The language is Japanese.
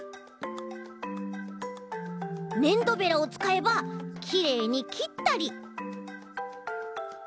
ねんどベラをつかえばきれいにきったり。